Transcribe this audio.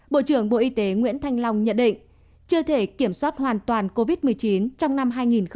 bộ trưởng bộ y tế nguyễn thanh long nhận định chưa thể kiểm soát hoàn toàn covid một mươi chín trong năm hai nghìn hai mươi